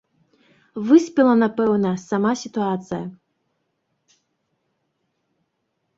Выспела, напэўна, сама сітуацыя.